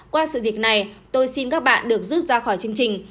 qua sự việc này tôi xin các bạn được rút ra khỏi chương trình